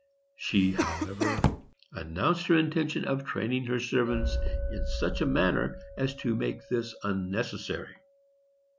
She, however, announced her intention of training her servants in such a manner as to make this unnecessary.